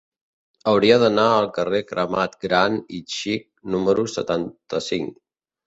Hauria d'anar al carrer Cremat Gran i Xic número setanta-cinc.